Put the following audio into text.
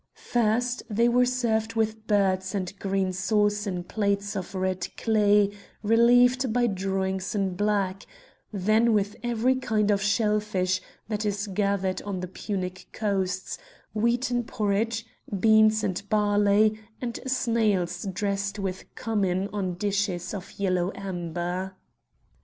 First they were served with birds and green sauce in plates of red clay relieved by drawings in black, then with every kind of shell fish that is gathered on the Punic coasts, wheaten porridge, beans and barley, and snails dressed with cumin on dishes of yellow amber.